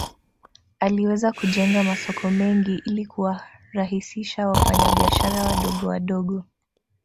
Aliweza kujenga masoko mengi ili kuwarahisishia wafanya biashara wadogo wadogo